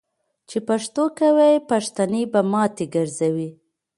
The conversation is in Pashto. چی پښتو کوی ، پښتي به ماتی ګرځوي .